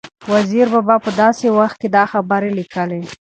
وزیر بابا په داسې وخت کې دا خبرې لیکلي